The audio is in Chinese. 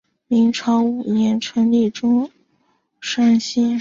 民国五年成立钟山县。